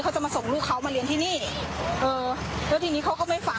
จะมาส่งลูกเขามาเรียนที่นี่เออแล้วทีนี้เขาก็ไม่ฝัน